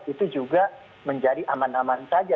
itu juga menjadi aman aman saja